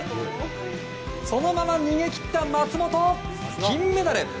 そのまま逃げ切った松元金メダル！